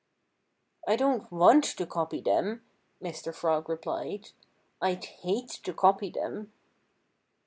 "I don't want to copy them," Mr. Frog replied. "I'd hate to copy them."